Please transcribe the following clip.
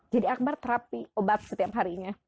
jadi akbar terapi obat setiap harinya